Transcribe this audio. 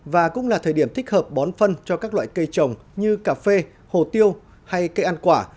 và cũng là thời điểm thích hợp bón phân cho các loại cây trồng như cà phê hồ tiêu hay cây ăn quả